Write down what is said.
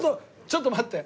ちょっと待って。